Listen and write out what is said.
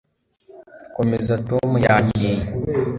Komeza Tom yagiye